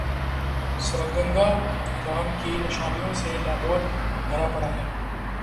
سرگنگا رام کی نشانیوں سے لاہور بھرا پڑا ہے۔